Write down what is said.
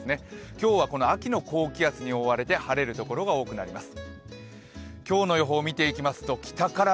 今日はこの秋の高気圧に覆われて晴れるところが多くなります。